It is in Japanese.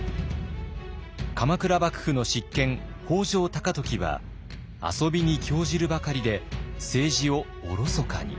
鎌倉幕府の執権北条高時は遊びに興じるばかりで政治をおろそかに。